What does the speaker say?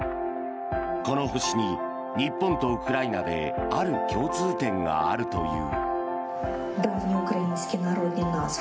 この星に日本とウクライナである共通点があるという。